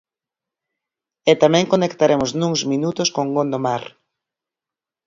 E tamén conectaremos nus minutos con Gondomar.